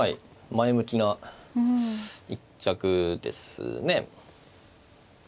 前向きな一着ですね。